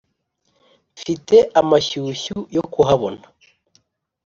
mfite amashyushyu yo kuhabona.